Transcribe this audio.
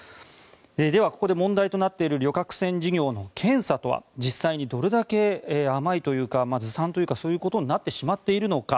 では、ここで問題となっている旅客船事業の検査とはどれだけ甘いというかずさんということになってしまっているのか。